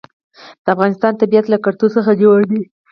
د افغانستان طبیعت له کلتور څخه جوړ شوی دی.